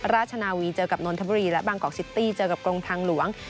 ราชนาวีเจอกับนนทบุรีและบางกอกซิตี้เจอกับกรมทางหลวง